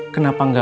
kenapa gak beli